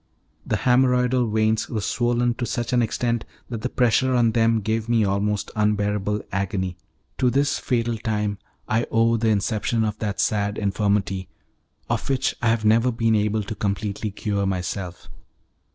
The haemorrhoidal veins were swollen to such an extent that the pressure on them gave me almost unbearable agony. To this fatal time I owe the inception of that sad infirmity of which I have never been able to completely cure myself.